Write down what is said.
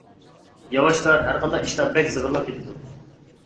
ياۋاشلار ھەر قانداق ئىشتا بەك زىغىرلاپ كېتىدۇ.